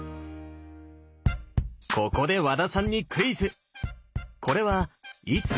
ここで和田さんにクイズ！